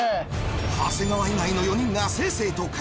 長谷川以外の４人が「せいせい」と解答。